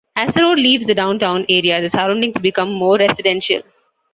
As the road leaves the downtown area, the surroundings become more residential.